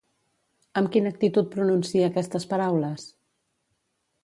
Amb quina actitud pronuncia aquestes paraules?